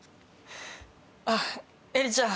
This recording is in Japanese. あっエリちゃん。